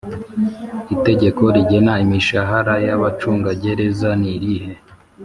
Itegeko rigena imishahara y abacungagereza nirihe